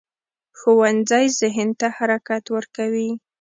ښوونځی ذهن ته حرکت ورکوي